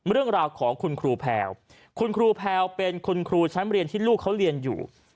เรื่องราวของคุณครูแพลวคุณครูแพลวเป็นคุณครูชั้นเรียนที่ลูกเขาเรียนอยู่